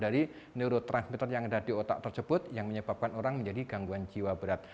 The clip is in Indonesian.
dan juga harus menggunakan neurotransmitter yang ada di otak tersebut yang menyebabkan orang menjadi gangguan jiwa berat